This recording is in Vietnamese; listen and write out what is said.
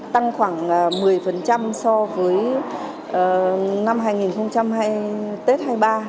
tăng khoảng một mươi so với năm tết hai mươi ba